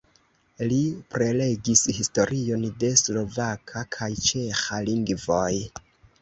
Li prelegis historion de slovaka kaj ĉeĥa lingvoj.